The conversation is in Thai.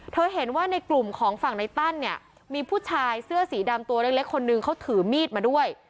เห็นว่าในกลุ่มของฝั่งในตั้นเนี่ยมีผู้ชายเสื้อสีดำตัวเล็กคนนึงเขาถือมีดมาด้วย